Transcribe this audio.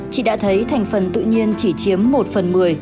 chị đã thấy thành phần tự nhiên chỉ chiếm một phần một mươi